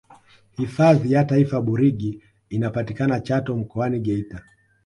hifadhi ya taifa burigi inapatikana chato mkoani geita